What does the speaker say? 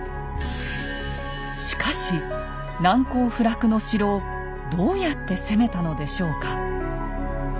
しかし難攻不落の城をどうやって攻めたのでしょうか。